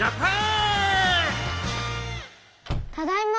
ただいま。